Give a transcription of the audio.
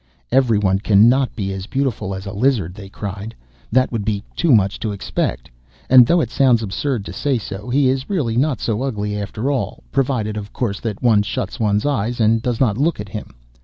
'Every one cannot be as beautiful as a lizard,' they cried; 'that would be too much to expect. And, though it sounds absurd to say so, he is really not so ugly after all, provided, of course, that one shuts one's eyes, and does not look at him.